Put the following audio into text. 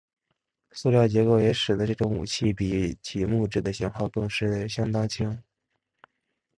塑料结构也使得这种武器比起木制的型号更是相当轻。